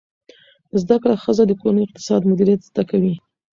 زده کړه ښځه د کورني اقتصاد مدیریت زده کوي.